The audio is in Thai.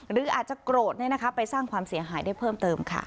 หรืออาจจะโกรธไปสร้างความเสียหายได้เพิ่มเติมค่ะ